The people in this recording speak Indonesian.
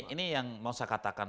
ini yang mau saya katakan